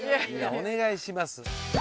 お願いします。